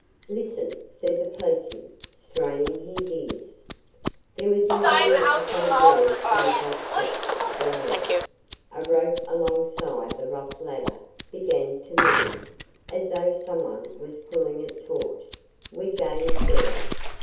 "Listen," said the policeman, straining his ears. There was indeed a faint noise from the black depths below us. A rope alongside the rough ladder began to move, as though someone was pulling it taut. We gazed down.